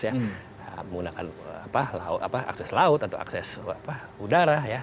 menggunakan akses laut atau akses udara